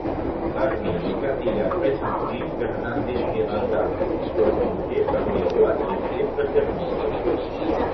Parmi les candidats pressentis, Fernández-Miranda fut consulté par le roi sur ses préférences.